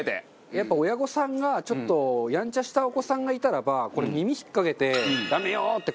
やっぱ親御さんがちょっとヤンチャしたお子さんがいたらばこれ耳引っかけて「ダメよ」ってこうギューッ。